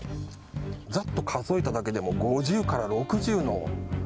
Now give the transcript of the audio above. ざっと数えただけでも５０から６０の。